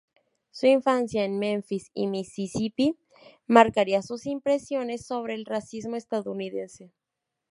Su infancia en Memphis y Mississippi marcaría sus impresiones sobre el racismo estadounidense.